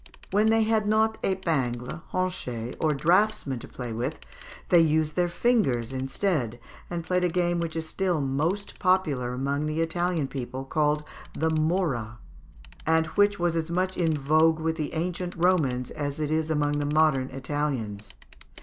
When they had not épingles, honchets, or draughtsmen to play with, they used their fingers instead, and played a game which is still most popular amongst the Italian people, called the morra, and which was as much in vogue with the ancient Romans as it is among the modern Italians.